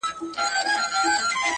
• لکه چي جوړ سو -